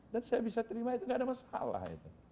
saya bisa terima itu tidak ada masalah